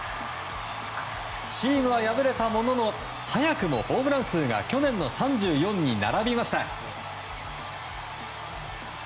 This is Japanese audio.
チームは敗れたものの早くもホームラン数が去年の３４に並びました。